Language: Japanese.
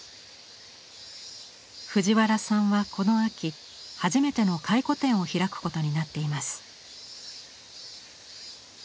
藤原さんはこの秋初めての回顧展を開くことになっています。